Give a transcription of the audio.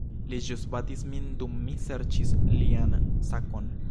Li ĵus batis min dum mi serĉis lian sakon